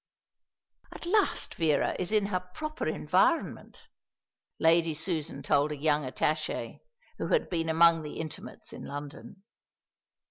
"At last Vera is in her proper environment," Lady Susan told a young attache, who had been among the intimates in London.